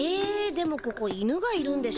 でもここ犬がいるんでしょ。